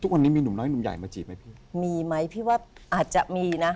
ทุกวันนี้มีหนุ่มน้อยหนุ่มใหญ่มาจีบไหมพี่มีไหมพี่ว่าอาจจะมีนะ